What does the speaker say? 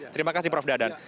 terima kasih prof dadan